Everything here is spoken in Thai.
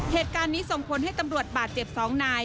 เหตุการณ์นี้ส่งผลให้ตำรวจบาดเจ็บ๒นาย